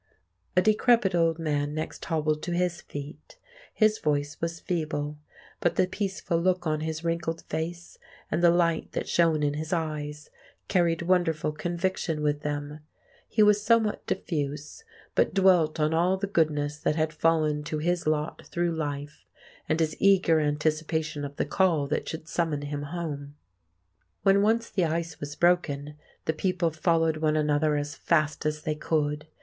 A decrepit old man next hobbled to his feet. His voice was feeble; but the peaceful look on his wrinkled face, and the light that shone in his eyes, carried wonderful conviction with them. He was somewhat diffuse, but dwelt on all the goodness that had fallen to his lot through life, and his eager anticipation of the call that should summon him Home. When once the ice was broken, the people followed one another as fast as they could.